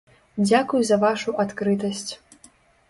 Дзякуй за вашу адкрытасць.